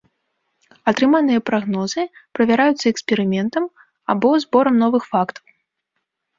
Атрыманыя прагнозы правяраюцца эксперыментам або зборам новых фактаў.